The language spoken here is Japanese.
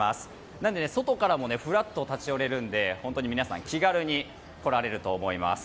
なので、外からもふらっと立ち寄れるので本当に皆さん気軽に来られると思います。